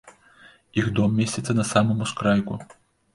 Іх дом месціцца на самым ускрайку.